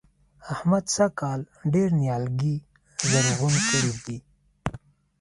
احمد سږ کال ډېر نيالګي زرغون کړي دي.